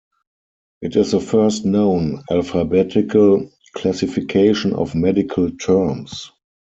It is the first known alphabetical classification of medical terms.